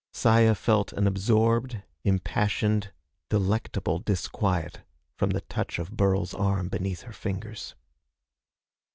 Saya felt an absorbed, impassioned, delectable disquiet from the touch of Burl's arm beneath her fingers.